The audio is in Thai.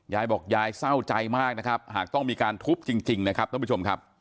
ยายบอกยายเศร้าใจมากนะครับหากต้องมีการทุบจริงนะครับท่านผู้ชมครับ